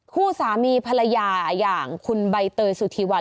คู่สามีภรรยาอย่างคุณใบเตยสุธีวัน